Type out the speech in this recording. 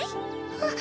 あっ。